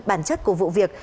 bản chất của vụ việc